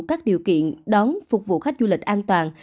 các điều kiện đón phục vụ khách du lịch an toàn